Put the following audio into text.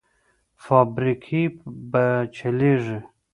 فابریکې به چلېږي؟